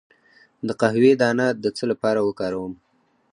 د قهوې دانه د څه لپاره وکاروم؟